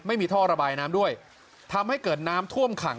ไม่มีท่อระบายน้ำด้วยทำให้เกิดน้ำท่วมขัง